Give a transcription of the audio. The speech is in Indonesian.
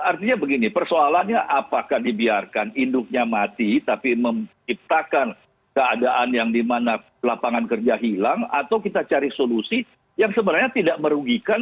artinya begini persoalannya apakah dibiarkan induknya mati tapi menciptakan keadaan yang dimana lapangan kerja hilang atau kita cari solusi yang sebenarnya tidak merugikan